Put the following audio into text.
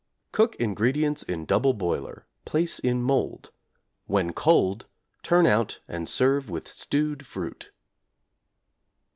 Cook ingredients in double boiler, place in mould. When cold turn out and serve with stewed fruit.